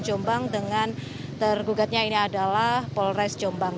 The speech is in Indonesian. jombang dengan tergugatnya ini adalah polres jombang